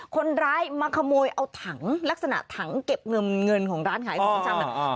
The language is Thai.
คนร้ายมาขโมยเอาถังลักษณะถังเก็บเงินของร้านขายของชำ